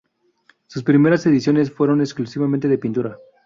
Sus primeras ediciones fueron exclusivamente de pintura.